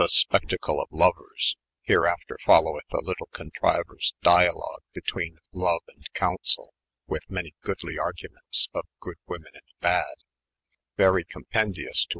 jbyGoogIc spectacle of lovers, here after foloweth a lytell contrauers dyalogne bytwene loue and councell, with many goodly argnmenteB of good women and bad, very compendyons to.